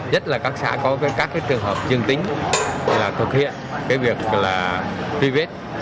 nhất là các xã có các trường hợp dương tính là thực hiện việc truy vết